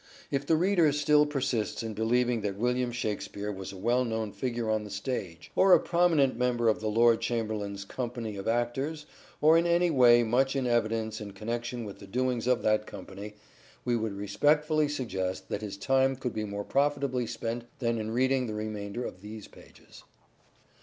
If the reader still persists in believing that William Shakspere was a well known figure on the stage, or a prominent member of the Lord Chamberlain's company of actors, or in any way much in evidence in connection with the doings of that company, we would respectfully suggest that his time could be more profitably spent than in reading the remainder of these pages.